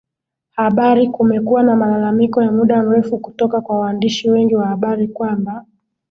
habari Kumekuwa na malalamiko ya muda mrefu kutoka kwa waandishi wengi wa habari kwamba